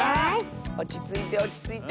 おちついておちついて。